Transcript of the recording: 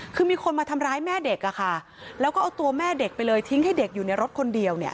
คือมีคนมาทำร้ายแม่เด็กอะค่ะแล้วก็เอาตัวแม่เด็กไปเลยทิ้งให้เด็กอยู่ในรถคนเดียวเนี่ย